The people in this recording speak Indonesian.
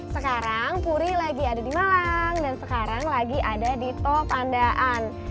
sekarang puri lagi ada di malang dan sekarang lagi ada di tol pandaan